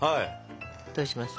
どうしますか？